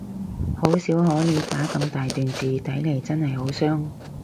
好少可你打咁大段字，睇嚟真係好傷